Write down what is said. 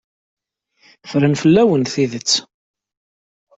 Ffren fell-awen tidet.